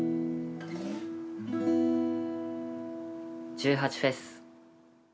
１８祭。